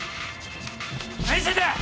・何してんだよ！